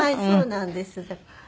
そうなんです。